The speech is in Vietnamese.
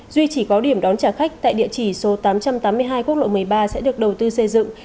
duy trì có điểm đón trả khách tại địa chỉ số tám trăm tám mươi hai quốc lộ một mươi ba sẽ được đầu tư xây dựng